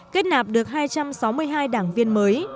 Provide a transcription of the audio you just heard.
kết nạp được hai trăm sáu mươi hai đảng viên mới